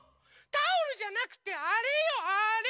タオルじゃなくてあれよあれ！